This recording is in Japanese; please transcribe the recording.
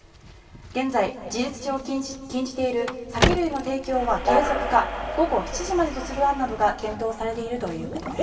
現在、事実上禁じている酒類の提供は継続か午後７時までとする案などが検討されているということです。